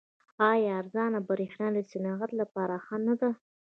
آیا ارزانه بریښنا د صنعت لپاره ښه نه ده؟